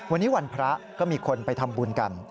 วันนี้วันพระก็มีคนไปทำบุญกัน